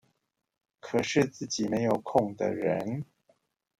可是自己沒有空的人